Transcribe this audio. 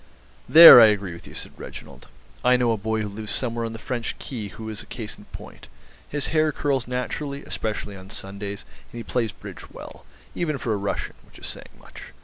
"There I agree with you," said Reginald. "I know a boy who lives somewhere on the French Quay who is a case in point. His hair curls naturally, especially on Sundays, and he plays bridge well, even for a Russian, which is saying much.